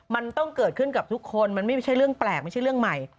มันต้องเกิดขึ้นกับทุกคนมันไม่ใช่เรื่องแปลกไม่ใช่เรื่องใหม่